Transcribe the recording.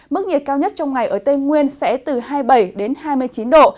mức nhiệt cao nhất trong ngày ở tây nguyên sẽ từ hai mươi bảy đến hai mươi chín độ